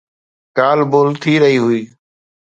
ڳالهه ٻولهه ٿي رهي هئي